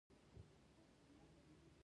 د تجارت شرافت د انسان کرامت ښيي.